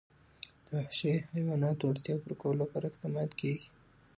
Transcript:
د وحشي حیواناتو د اړتیاوو پوره کولو لپاره اقدامات کېږي.